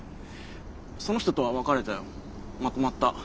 その人とは別れたよまとまった。